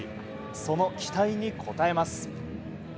その期待に応えます。